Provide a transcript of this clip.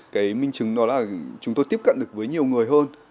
cái minh chứng đó là chúng tôi tiếp cận được với nhiều người hơn